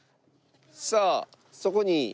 さあそこに。